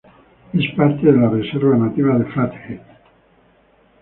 Es parte de la Reserva nativa de Flathead.